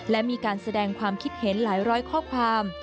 และมีการแสดงความคิดเห็นหลายร้อยข้อความ